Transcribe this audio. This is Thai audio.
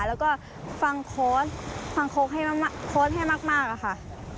แล้วก็ฟังโค้ชฟังโค้ชให้มากค่ะ